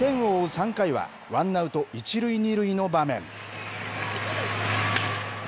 ３回は、ワンアウト１塁２塁の場面。